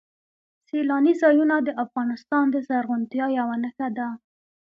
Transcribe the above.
سیلاني ځایونه د افغانستان د زرغونتیا یوه نښه ده.